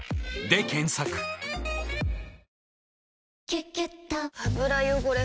「キュキュット」油汚れ